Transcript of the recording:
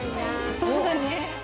そうだね。